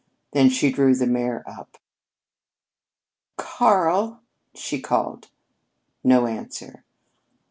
Then she drew the mare up. "Karl!" she called. No answer.